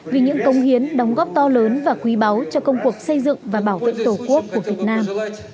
vì những công hiến đóng góp to lớn và quý báu cho công cuộc xây dựng và bảo vệ tổ quốc của việt nam